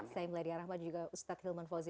saya mlaidya rahmat dan juga ustadz hilman fawzi